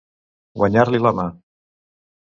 Guanyar-li la mà.